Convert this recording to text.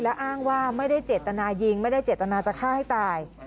และอ้างว่าไม่ได้เจตนายิงไม่ได้เจตนาจะฆ่าให้ตาย